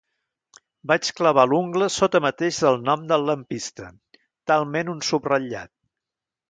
Vaig clavar l'ungla sota mateix del nom del lampista, talment un subratllat.